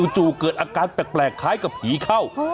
เกิดอาการแปลกคล้ายกับผีเข้า